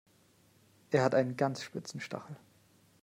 Er hat einen ganz spitzen Stachel.